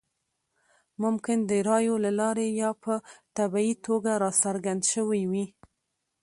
ممکن د رایو له لارې یا په طبیعي توګه راڅرګند شوی وي.